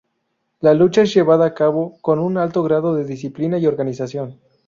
La lucha es llevada a cabo con un alto grado de disciplina y organización.